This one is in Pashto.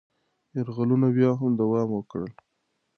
یرغلونه بیا هم دوام وکړل.